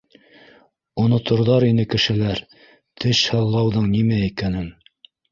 Оноторҙар ине кешеләр теш һыҙлауҙың нимә икәнен.